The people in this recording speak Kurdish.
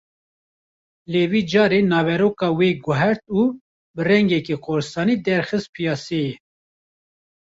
Lê vê carê naveroka wê guhert û bi rengekî korsanî derxist piyaseyê